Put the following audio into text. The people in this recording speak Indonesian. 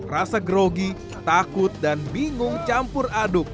rasa grogi takut dan bingung campur aduk